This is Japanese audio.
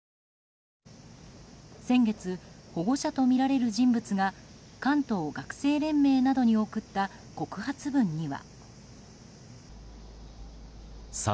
先月、保護者とみられる人物が関東学生連盟などに送った告発文には。